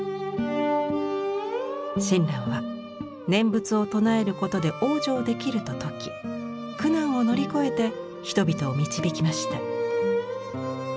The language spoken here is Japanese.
親鸞は念仏を唱えることで往生できると説き苦難を乗り越えて人々を導きました。